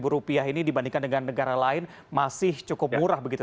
rp lima ini dibandingkan dengan negara lain masih cukup murah begitu